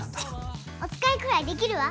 おつかいくらいできるわ。